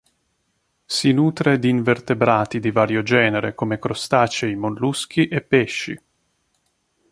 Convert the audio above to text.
Si nutre di invertebrati di vario genere come crostacei, molluschi e pesci.